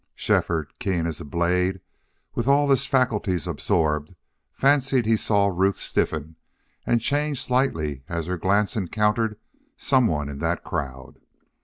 Shefford, keen as a blade, with all his faculties absorbed, fancied he saw Ruth stiffen and change slightly as her glance encountered some one in that crowd.